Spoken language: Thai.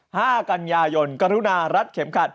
ห้ากันยายนกรุณารัดเข็มขัด